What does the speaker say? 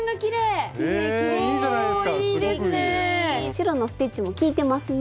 白のステッチもきいてますね。